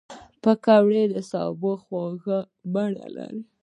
پکورې د سبو خواږه بڼه لري